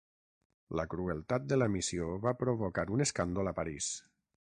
La crueltat de la missió va provocar un escàndol a París.